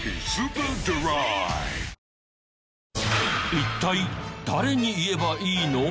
一体誰に言えばいいの？